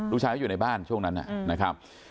ลูกชายก็อยู่ในบ้านช่วงนั้นนะครับ